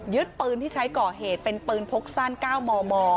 ปืนที่ใช้ก่อเหตุเป็นปืนพกสั้น๙มม